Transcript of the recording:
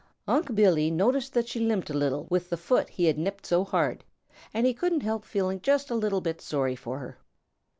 Unc' Billy noticed that she limped a little with the foot he had nipped so hard, and he couldn't help feeling just a little bit sorry for her.